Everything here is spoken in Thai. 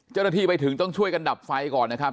เจ้าหน้าที่ไปถึงต้องช่วยกันดับไฟก่อนนะครับ